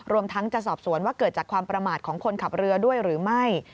รวมทั้งจะสอบสวนว่าเกิดจากความประมาทของคนขับเรือด้วยหรือไม่